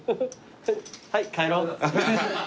はい帰ろう。